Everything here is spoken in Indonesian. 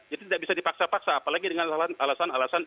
jadi tidak bisa dipaksa paksa apalagi dengan alasan alasan